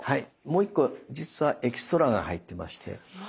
もう１個実はエキストラが入ってまして。